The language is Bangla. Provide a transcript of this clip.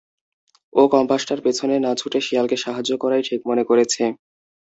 ও কম্পাসটার পিছনে না ছুটে শেয়ালকে সাহায্য করাই ঠিক মনে করেছে।